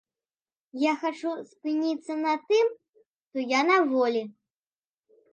Я хачу спыніцца на тым, што я на волі.